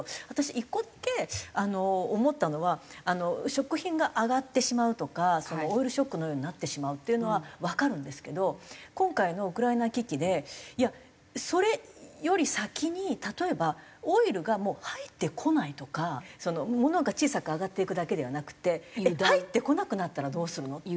私１個だけ思ったのは食品が上がってしまうとかオイルショックのようになってしまうっていうのはわかるんですけど今回のウクライナ危機でいやそれより先に例えばオイルがもう入ってこないとかものが小さく上がっていくだけではなくて入ってこなくなったらどうするの？